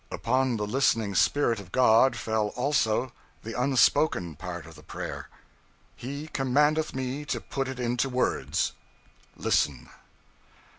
Upon the listening spirit of God fell also the unspoken part of the prayer. He commandeth me to put it into words. Listen!